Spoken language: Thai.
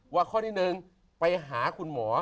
ว่าข้อที่หนึ่งไปหาคุณหมอ